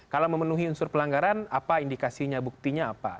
kalau memenuhi unsur pelanggaran apa indikasinya buktinya apa